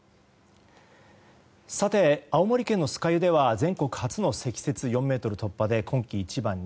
さて、青森県の酸ヶ湯では全国初の積雪４ｍ突破で、今季一番に。